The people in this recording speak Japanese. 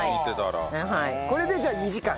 これでじゃあ２時間。